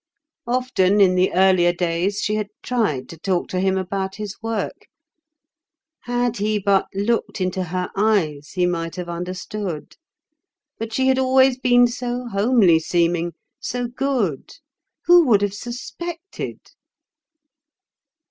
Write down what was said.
Often in the earlier days she had tried to talk to him about his work. Had he but looked into her eyes, he might have understood. But she had always been so homely seeming, so good. Who would have suspected?